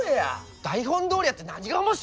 台本どおりやって何が面白いんだよ！